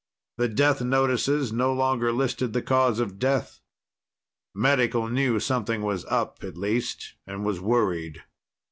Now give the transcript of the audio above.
The death notices no longer listed the cause of death. Medical knew something was up, at least, and was worried.